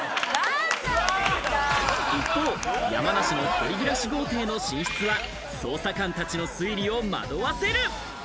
一方、山梨の一人暮らし豪邸の寝室は捜査官たちの推理を惑わせる。